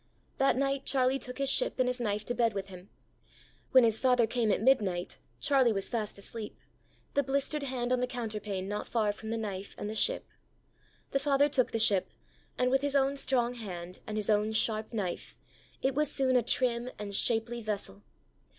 That night Charlie took his ship and his knife to bed with him. When his father came at midnight Charlie was fast asleep, the blistered hand on the counterpane not far from the knife and the ship. The father took the ship, and, with his own strong hand, and his own sharp knife, it was soon a trim and shapely vessel.